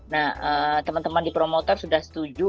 nah teman teman di promotor sudah setuju